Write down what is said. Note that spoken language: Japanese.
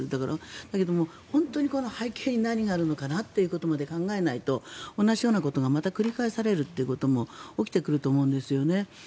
だけども本当にこの背景に何があるのかなということまで考えないと同じようなことがまた繰り返されるということも起きてくると思うんですよね。